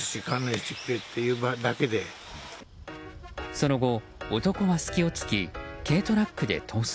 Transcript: その後、男は隙を突き軽トラックで逃走。